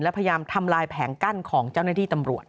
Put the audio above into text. และพยายามทำลายแผงกั้นของเจ้าหน้าที่ตำรวจ